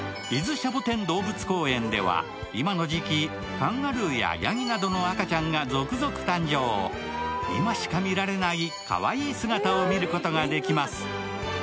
シャボテン動物公園では、今の時期、カンガルーやヤギなどの赤ちゃんが続々誕生、今しか見られないかわいい姿を見ることができます。